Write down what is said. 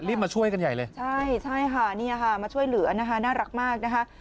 มาช่วยกันใหญ่เลยใช่ใช่ค่ะนี่ค่ะมาช่วยเหลือนะคะน่ารักมากนะคะ